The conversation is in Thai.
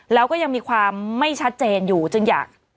แล้วก็ยังมีความไม่ชัดเจนอยู่จึงอยาก